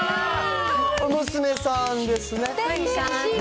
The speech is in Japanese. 娘さんですね。